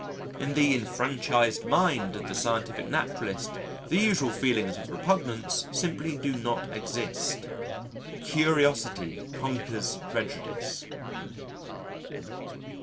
In the enfranchised mind of the scientific naturalist, the usual feelings of repugnance simply do not exist. Curiosity conquers prejudice.